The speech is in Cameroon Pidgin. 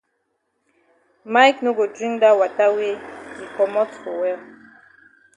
Mike no go drink dat wata wey yi komot for well.